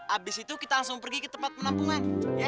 abis itu kita langsung pergi ke tempat penampungan